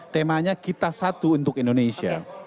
temanya kita satu untuk indonesia